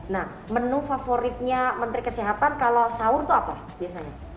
nah menu favoritnya menteri kesehatan kalau sahur itu apa biasanya